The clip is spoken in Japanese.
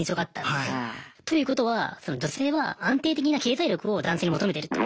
ということは女性は安定的な経済力を男性に求めてると。